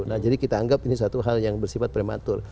nah jadi kita anggap ini satu hal yang bersifat prematur